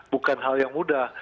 bukan hal yang mudah